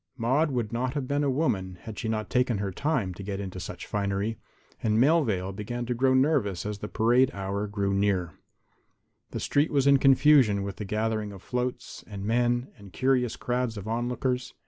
Maude would not have been a woman had she not taken her time to get into such finery, and Melvale began to grow nervous as the parade hour grew near. The street was in confusion with the gathering of floats and men and curious crowds of onlookers.